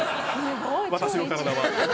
私の体は。